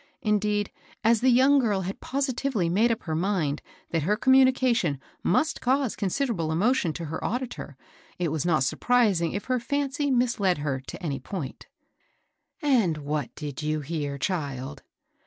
Indeed, as the young girl had positively made up her mind that her commu nication must cause considerable emotion to her auditor, it was not surprising if her fancy mis led her to any point. 25<X MABEL ROSS. ^* And what did jon hear child?"